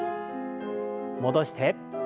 戻して。